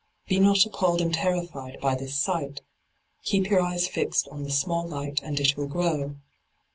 Be not appalled and terrified by this sight ; keep your eyes fixed on the small light and it will grow.